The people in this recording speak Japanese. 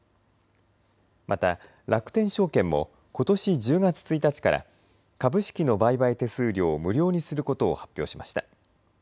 また楽天証券もことし１０月１日から株式の売買手数料を無料にすることを発表しました。